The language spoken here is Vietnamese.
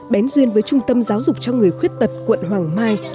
bén duyên với trung tâm giáo dục cho người khuyết tật quận hoàng mai